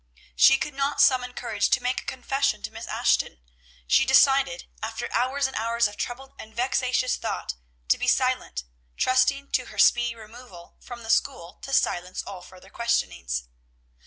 She could not summon courage to make a confession to Miss Ashton; she decided, after hours and hours of troubled and vexatious thought, to be silent, trusting to her speedy removal from the school to silence all further questionings.